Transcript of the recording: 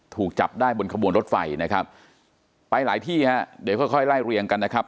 ถูกจับได้บนขบวนรถไฟนะครับไปหลายที่ฮะเดี๋ยวค่อยค่อยไล่เรียงกันนะครับ